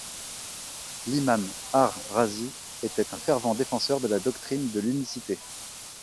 L'Imâm Ar-Razi était un fervent défenseur de la doctrine de l'unicité.